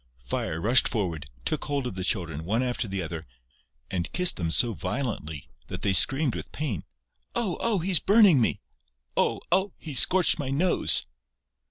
Fire rushed forward, took hold of the Children, one after the other, and kissed them so violently that they screamed with pain: "Oh! Oh!... He's burning me!..." "Oh! Oh!... He's scorched my nose!..."